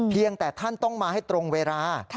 เพียงแต่ท่านต้องมาให้ตรงเวลา